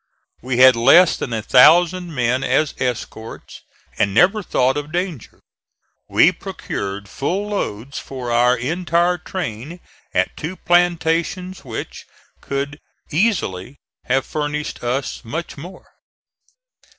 We had less than a thousand men as escort, and never thought of danger. We procured full loads for our entire train at two plantations, which could easily have furnished as much more.